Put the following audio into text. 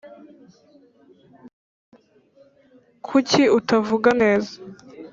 Kuki utavuga neza